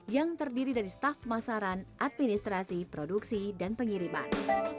yang terdiri dari staf pemasaran administrasi produksi dan pengiriman